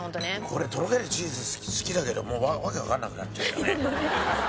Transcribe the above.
これとろけるチーズ好きだけど訳わかんなくなっちゃうよね。